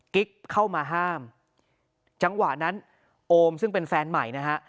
กิ๊กเข้ามาห้ามจังหวะนั้นโอมซึ่งเป็นแฟนใหม่นะฮะ